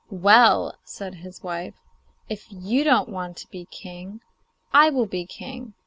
'Well,' said his wife, 'if you don't want to be king, I will be king.